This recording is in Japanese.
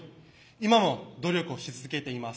今も努力をし続けています。